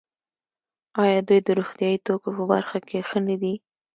آیا دوی د روغتیايي توکو په برخه کې ښه نه دي؟